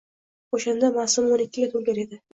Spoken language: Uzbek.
Oʼshanda Maʼsuma oʼn ikkiga toʼlgan edi.